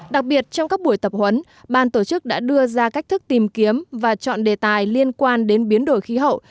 đặc biệt trong các buổi tập huấn ban tổ chức đã đưa ra cách thức tìm kiếm và chọn đề tài liên quan đến biến đổi khí hậu